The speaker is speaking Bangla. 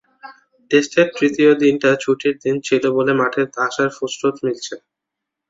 টেস্টের তৃতীয় দিনটা ছুটির দিন ছিল বলে মাঠে আসার ফুসরত মিলেছে।